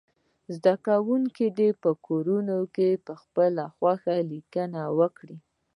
زده کوونکي دې په کور کې پخپله خوښه لیکنه وکړي.